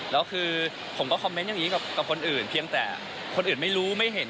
แล้วคือผมก็คอมเมนต์อย่างนี้กับคนอื่นเพียงแต่คนอื่นไม่รู้ไม่เห็น